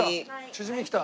チヂミ来た。